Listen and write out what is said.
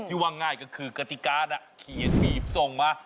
ว่าง่ายก็คือกติการเขียนบีบส่งมา